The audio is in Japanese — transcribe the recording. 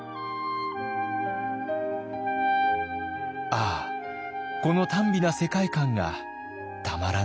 「ああこのたん美な世界観がたまらない。